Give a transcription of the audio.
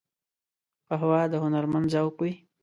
قهوه د هنرمند ذوق وي